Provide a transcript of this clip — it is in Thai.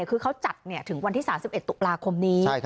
คือเขาจัดถึงวันที่๓๑ตุลาคมนี้